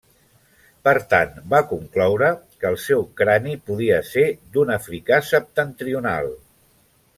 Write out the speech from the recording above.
Per tant va concloure que el seu crani podia ser d'un africà septentrional.